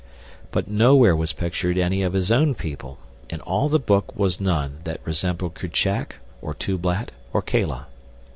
But nowhere was pictured any of his own people; in all the book was none that resembled Kerchak, or Tublat, or Kala.